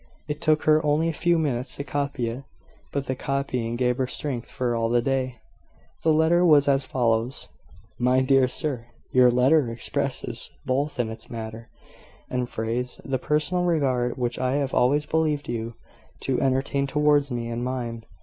It took her only a few minutes to copy it; but the copying gave her strength for all the day. The letter was as follows: "My Dear Sir Your letter expresses, both in its matter and phrase, the personal regard which I have always believed you to entertain towards me and mine.